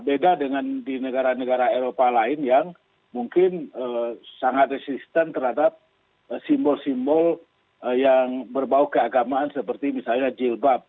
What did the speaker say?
beda dengan di negara negara eropa lain yang mungkin sangat resisten terhadap simbol simbol yang berbau keagamaan seperti misalnya jilbab